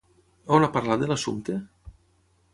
On ha parlat de l'assumpte?